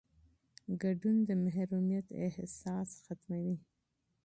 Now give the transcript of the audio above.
ګډون د محرومیت احساس ختموي